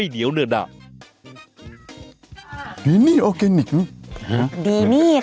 ดีนี่ค่ะนี่